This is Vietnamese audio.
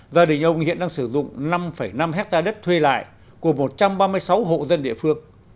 gia đình ông hiện đang sử dụng năm năm hectare đất thuê lại của một trăm ba mươi sáu hộ dân địa phương